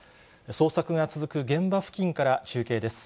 捜索が続く現場付近から中継です。